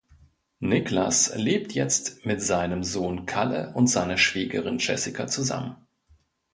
Niklas lebt jetzt mit seinem Sohn Kalle und seiner Schwägerin Jessica zusammen.